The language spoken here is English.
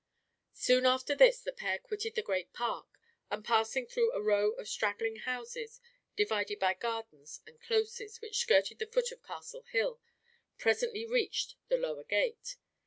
Soon after this the pair quitted the great park, and passing through a row of straggling houses, divided by gardens and closes, which skirted the foot of Castle Hill, presently reached the lower gate.